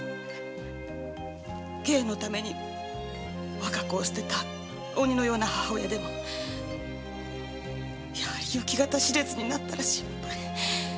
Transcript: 芸のために我が子を捨てた鬼のような母親でもやはり行方知れずになったら心配。